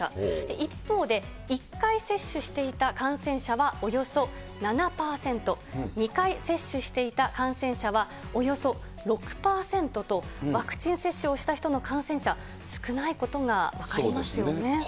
一方で、１回接種していた感染者はおよそ７％、２回接種していた感染者はおよそ６％と、ワクチン接種をした人の感染者、そうですね。